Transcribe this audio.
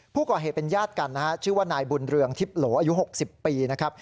ผู้ก่อเหตุเป็นญาติกันนะฮะชื่อว่านายบุญเรืองทิพย์โหลอายุ๖๐ปีนะครับ